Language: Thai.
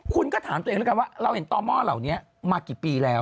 คุณก็ถามตัวเองแล้วกันว่าเราเห็นต่อหม้อเหล่านี้มากี่ปีแล้ว